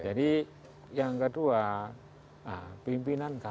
jadi yang kedua pimpinan kpk